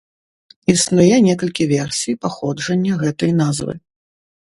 Існуе некалькі версій паходжання гэтай назвы.